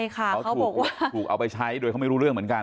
เขาถูกเอาไปใช้โดยเขาไม่รู้เรื่องเหมือนกัน